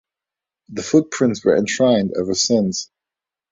The footprints were enshrined ever since.